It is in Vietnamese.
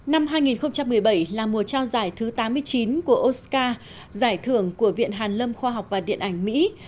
năm hai nghìn một mươi bảy là mùa trao giải thứ tám mươi chín của oscar giải thưởng của viện hàn lâm khoa học và điện ảnh mỹ